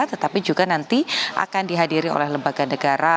tetapi juga nanti akan dihadiri oleh lembaga negara